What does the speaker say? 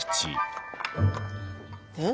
えっ？